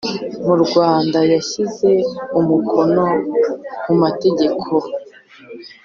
mu Rwanda yashyize umukono ku Mategeko